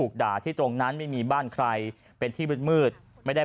แค่เยี่ยวเป็นอะไร